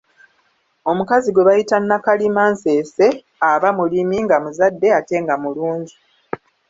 Omukazi gwe bayita Nakalima nseese aba mulimi, nga muzadde ate nga mulungi